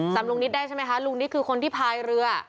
จำลุงนิดได้ใช่ไหมคะลุงนิดคือคนที่พายเรือ